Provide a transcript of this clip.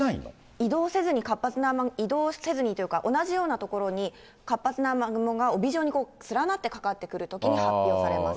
移動せずに移動せずにというか、帯状に同じような所に、活発な雨雲が帯状に連なってくるときに発表されます。